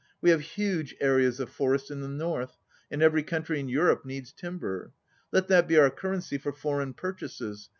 We have huge areas of forest in the north, and every country in Eu rope needs timber. Let that be our currency for foreign purchases.